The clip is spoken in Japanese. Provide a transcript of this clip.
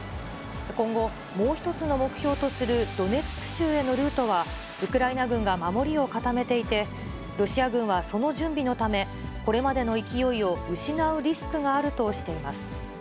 今後、もう一つの目標とするドネツク州へのルートは、ウクライナ軍が守りを固めていて、ロシア軍はその準備のため、これまでの勢いを失うリスクがあるとしています。